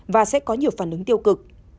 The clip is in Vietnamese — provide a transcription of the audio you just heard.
và sẽ có nhiều phản ứng tiêu cực